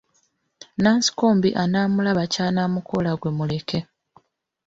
Nansikombi anaamulaba ky'anamukola gwe muleke.